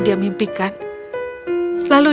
dia mimpikan lalu